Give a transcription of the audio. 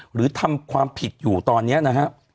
หรือทำความผิดอยู่ตอนนี้นะฮะ